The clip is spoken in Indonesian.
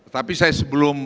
tapi saya sebelum